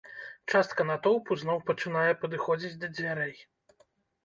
Частка натоўпу зноў пачынае падыходзіць да дзвярэй.